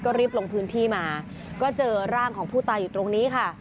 ก็รีบลงพื้นที่มาก็เจอร่างของผู้ตายอยู่ตรงนี้ค่ะ